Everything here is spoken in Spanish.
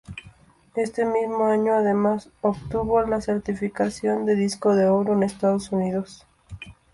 Este mismo año además obtuvo la certificación de disco de oro en Estados Unidos.